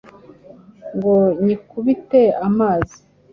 ngo nyikubite amazi